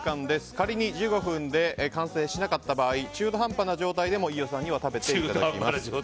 仮に１５分で完成しなかった場合中途半端な状態でも飯尾さんには出していただきます。